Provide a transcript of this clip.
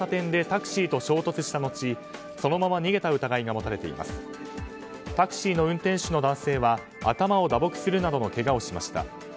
タクシーの運転手の男性は頭を打撲するなどのけがをしました。